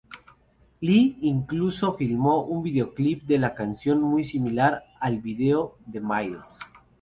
Lee incluso filmó un videoclip de la canción muy similar al video de Myles.